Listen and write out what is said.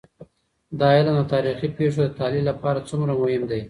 دا علم د تاريخي پېښو د تحلیل لپاره څومره مهم دی؟